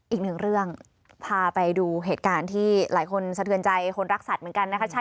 อีกหนึ่งเรื่องพาไปดูเหตุการณ์ที่หลายคนสะเทือนใจคนรักสัตว์เหมือนกันนะคะ